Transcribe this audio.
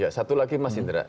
ya satu lagi mas indra